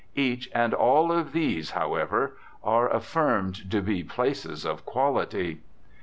Each and all of these, however, are affirmed to be "places of quality."